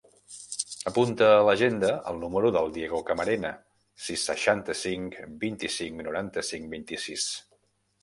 Apunta a l'agenda el número del Diego Camarena: sis, seixanta-cinc, vint-i-cinc, noranta-cinc, vint-i-sis.